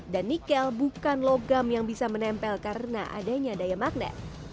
dan nikel bukan logam yang bisa menempel karena adanya daya magnet